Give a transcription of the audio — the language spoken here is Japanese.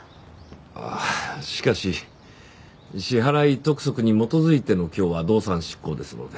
ああしかし支払督促に基づいての今日は動産執行ですので。